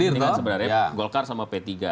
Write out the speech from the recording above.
ini kan sebenarnya golkar sama p tiga